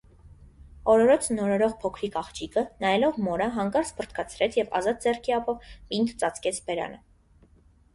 Օրորոցն օրորող փոքրիկ աղջիկը, նայելով մորը, հանկարծ փռթկացրեց և ազատ ձեռքի ափով պինդ ծածկեց բերանը: